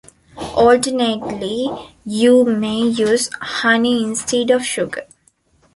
Alternately, you may use honey instead of sugar.